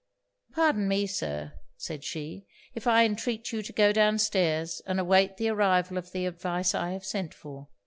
'Pardon me, Sir,' said she, 'if I entreat you to go down stairs and await the arrival of the advice I have sent for.